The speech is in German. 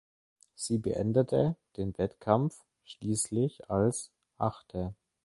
Sie beendete den Wettkampf schließlich als Achte.